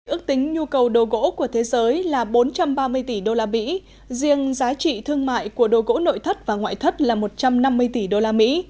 ước tính nhu cầu đồ gỗ của thế giới là bốn trăm ba mươi tỷ đô la mỹ riêng giá trị thương mại của đồ gỗ nội thất và ngoại thất là một trăm năm mươi tỷ đô la mỹ